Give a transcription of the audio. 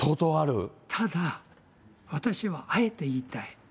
ただ私はあえて言いたい。